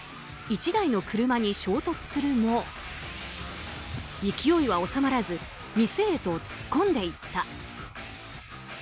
１台の車に衝突するも勢いは収まらず店へと突っ込んでいった。